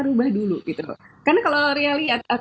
rubah dulu karena kalau ria lihat